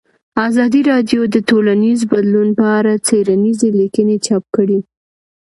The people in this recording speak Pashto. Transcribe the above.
ازادي راډیو د ټولنیز بدلون په اړه څېړنیزې لیکنې چاپ کړي.